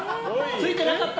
着いてなかった！